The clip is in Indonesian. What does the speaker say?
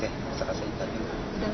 sudah ngabarin jakarta dulu